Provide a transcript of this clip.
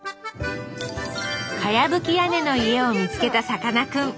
かやぶき屋根の家を見つけたさかなクン。